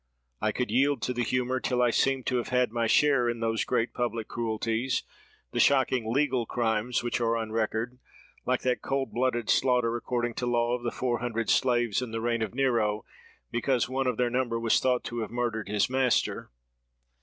I could yield to the humour till I seemed to have had my share in those great public cruelties, the shocking legal crimes which are on record, like that cold blooded slaughter, according to law, of the four hundred slaves in the reign of Nero, because one of their number was thought to have murdered his master.